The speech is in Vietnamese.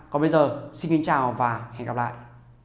còn bây giờ xin kính chào và hẹn gặp lại